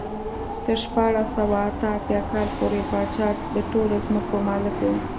تر شپاړس سوه اته اتیا کال پورې پاچا د ټولو ځمکو مالک و.